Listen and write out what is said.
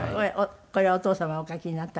これはお父様がお書きになった楽譜？